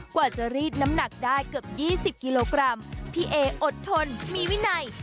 กว่าจะรีดน้ำหนักได้เกือบ๒๐กิโลกรัมพี่เออดทนมีวินัย